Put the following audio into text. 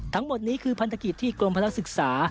ทั้งหมดนี้คือพันธกิจที่กรมพนักศึกษา